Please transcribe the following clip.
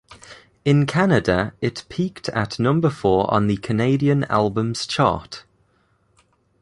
In Canada it peaked at number four on the Canadian Albums Chart.